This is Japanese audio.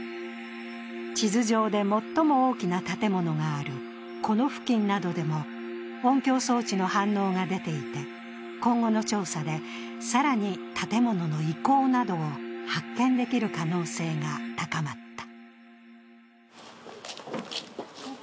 地図上で最も大きな建物があるこの付近などでも音響装置の反応が出ていて、今後の調査で更に建物の遺構などを発見できる可能性が高まった。